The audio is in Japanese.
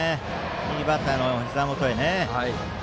いいバッターのひざ元にね。